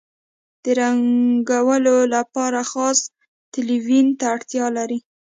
د رنګولو لپاره خاص تلوین ته اړتیا لري.